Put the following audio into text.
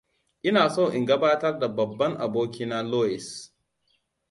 Ina so in gabatar da babban abokina Luis.